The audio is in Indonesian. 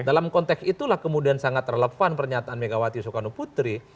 dalam konteks itulah kemudian sangat relevan pernyataan megawati soekarnoputri